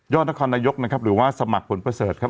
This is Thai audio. นครนายกนะครับหรือว่าสมัครผลประเสริฐครับ